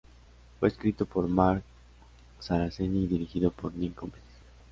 Fue escrito por Mark Saraceni y dirigido por Nick Gomez.